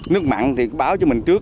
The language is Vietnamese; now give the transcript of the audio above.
nước mặn thì báo cho mình trước